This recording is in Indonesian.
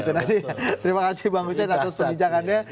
terima kasih bang hussein atas perbincangannya